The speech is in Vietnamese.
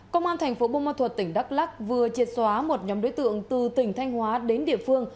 công an tp bông ma thuật tỉnh đắk lắc vừa triệt xóa một nhóm đối tượng từ tỉnh thanh hóa đến địa phương